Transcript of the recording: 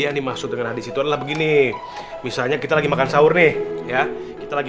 yang dimaksud dengan habis itu adalah begini misalnya kita lagi makan sahur nih ya kita lagi